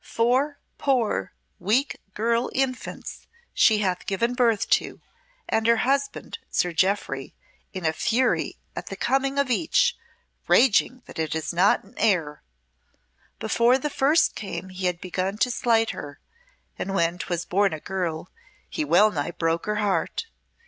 Four poor, weak girl infants she hath given birth to, and her husband, Sir Jeoffry, in a fury at the coming of each, raging that it is not an heir. Before the first came he had begun to slight her, and when 'twas born a girl he well nigh broke her heart.